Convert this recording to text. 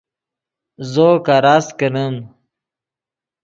زو کراست کینیم